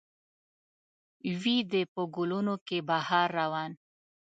وي دې په ګلونو کې بهار روان